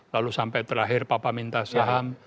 lalu sampai terakhir papa minta saham